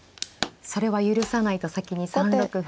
それは許さないと先に３六歩を。